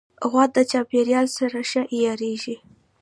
غوا د چاپېریال سره ښه عیارېږي.